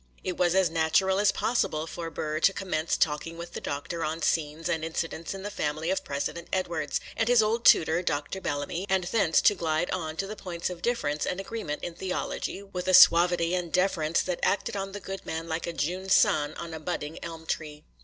It was as natural as possible for Burr to commence talking with the Doctor on scenes and incidents in the family of President Edwards, and his old tutor, Dr. Bellamy,—and thence to glide on to the points of difference and agreement in theology, with a suavity and deference which acted on the good man like a June sun on a budding elm tree.